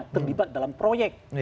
terlibat dalam proyek